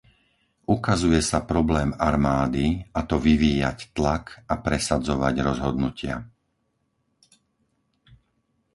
Ukazuje sa problém armády a to vyvíjať tlak a presadzovať rozhodnutia.